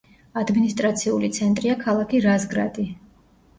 ადმინისტრაციული ცენტრია ქალაქი რაზგრადი.